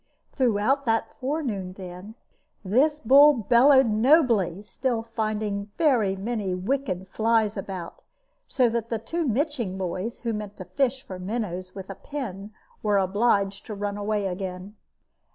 Throughout that forenoon, then, this bull bellowed nobly, still finding many very wicked flies about, so that two mitching boys, who meant to fish for minnows with a pin, were obliged to run away again.